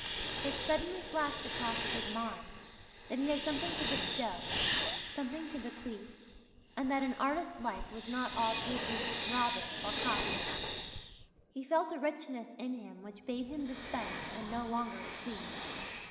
It suddenly flashed across his mind that he had something to bestow, something to bequeath, and that an artist's life was not all taking, robbing, or copying. He felt a richness in him which bade him dispense and no longer receive.